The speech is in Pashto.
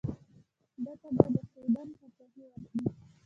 ده ته به د سوډان پاچهي ورکړي.